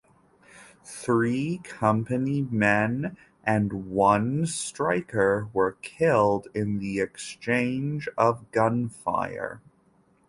Three company men and one striker were killed in the exchange of gunfire.